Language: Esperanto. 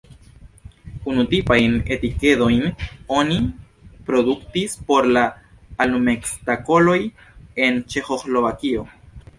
Unutipajn etikedojn oni produktis por la alumetskatoloj en Ĉeĥoslovakio.